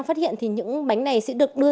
phát hiện thì những bánh này sẽ được đưa